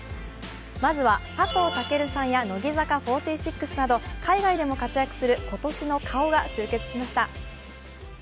まずは佐藤健さんや乃木坂４６など海外でも活躍する今年の顔が集結しました。